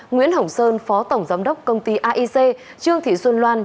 nguyễn hồng sơn phó tổng giám đốc công ty aic trương thị xuân loan